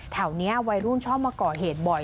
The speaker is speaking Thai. แถวนี้วัยรุ่นชอบมาก่อเหตุบ่อย